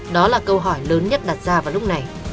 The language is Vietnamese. đó là câu hỏi lớn nhất đặt ra vào lúc này